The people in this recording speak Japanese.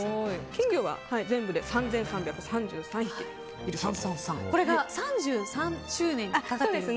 金魚は全部で３３３３匹いるそうです。